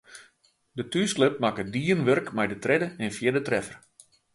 De thúsklup makke dien wurk mei de tredde en fjirde treffer.